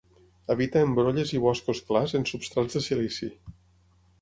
Habita en brolles i boscos clars en substrats de silici.